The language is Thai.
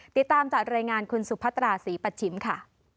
ติดตามจากรายงานคุณสุพัตราศรีปัชชิมค่ะ